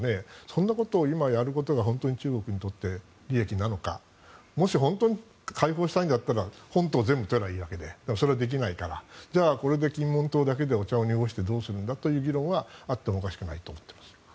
そんなことを今、やることが本当に中国にとって利益なのかもし本当に解放したいんだったら本島を全部取ればいいわけででもそれはできないからじゃあ、これで金門島だけでお茶を濁してどうするんだという議論はあってもおかしくないと思います。